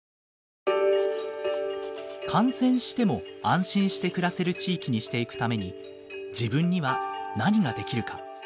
感染しても安心して暮らせる地域にしていくために自分には何ができるか。